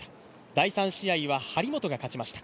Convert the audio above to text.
第３試合は張本が勝ちました。